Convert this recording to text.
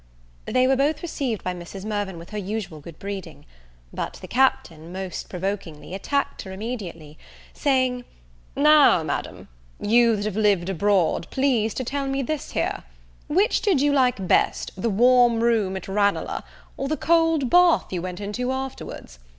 They were both received by Mrs. Mirvan with her usual good breeding; but the Captain, most provokingly, attacked her immediately, saying, "Now, Madame, you that have lived abroad, please to tell me this here: Which did you like best, the warm room at Ranelagh, or the cold bath you went into afterwards?